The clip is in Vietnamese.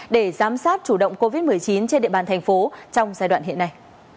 để giám sát chủ động covid một mươi chín trên địa bàn thành phố trong giai đoạn hiện nay